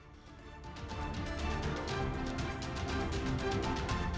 kami akan segera kembali ke usaha jenayah